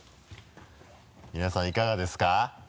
皆さんいかがですか？